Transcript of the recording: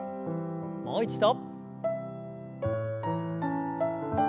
もう一度。